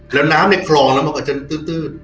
แล้วน้ำในคลองแล้วมันก็จะตื้น